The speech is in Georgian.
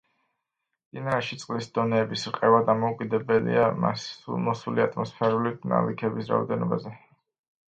მდინარეში წყლის დონეების რყევა დამოკიდებულია მოსული ატმოსფერული ნალექების რაოდენობაზე.